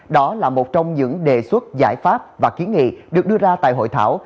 đó là một trong những đề xuất giải pháp và kiến nghị được đưa ra tại hội thảo